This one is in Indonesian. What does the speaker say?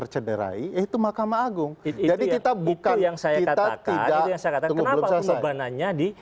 jadi kita bukan kita tidak tunggu belum selesai